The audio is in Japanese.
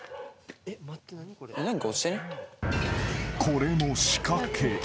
［これも仕掛け］